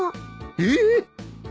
えっ！？